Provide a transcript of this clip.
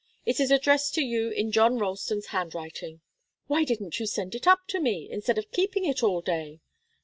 It is addressed to you in John Ralston's handwriting." "Why didn't you send it up to me, instead of keeping it all day?"